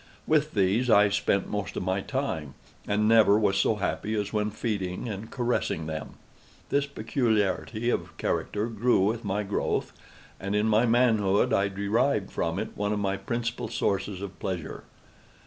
With these I spent most of my time, and never was so happy as when feeding and caressing them. This peculiarity of character grew with my growth, and in my manhood, I derived from it one of my principal sources of pleasure.